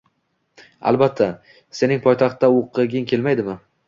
Albatta, sening poytaxtda o`qiging kelmaydimi